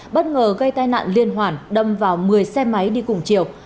bất ngờ gây tai nạn liên hoàn đâm vào một mươi xe máy đi cùng chiều